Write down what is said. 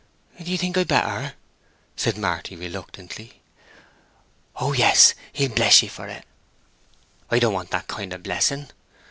"Do you think I'd better?" said Marty, reluctantly. "Oh yes, he'll bless ye for it." "I don't want that kind of blessing."